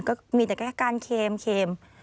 ก็มีแต่แค่การเค็ม